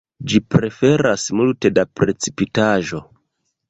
Ĝi preferas multe da precipitaĵo.